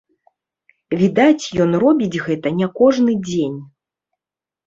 Відаць, ён робіць гэта не кожны дзень.